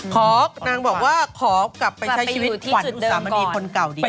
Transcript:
นางบอกว่าขอกลับไปใช้ชีวิตขวัญสามณีคนเก่าดี